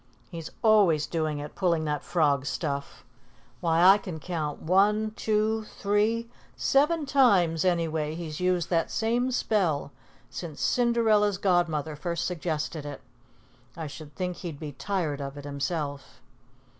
He's always doing it, pulling that frog stuff. Why, I can count one, two, three seven times anyway he's used that same spell since Cinderella's godmother first suggested it. I should think he'd be tired of it himself."